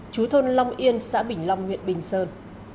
chú thôn long yên xã bình long huyện bình sơn